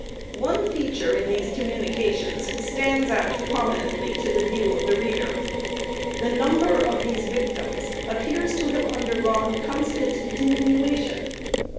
One feature in these communications stands out prominently to the view of the reader: the number of these victims appears to have undergone constant diminution.